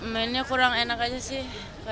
mainnya kurang enak aja sih